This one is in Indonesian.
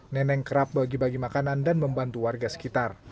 neneng kerap bagi bagi makanan dan membantu warga sekitar